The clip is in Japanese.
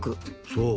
そう。